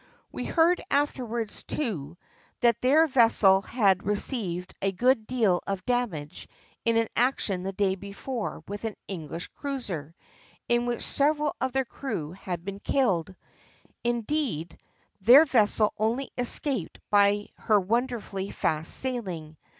We heard afterwards, too, that their vessel had received a good deal of damage in an action the day before with an English cruiser, in which several of their crew had been killed; indeed, their vessel only escaped by her wonderfully fast sailing.